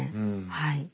はい。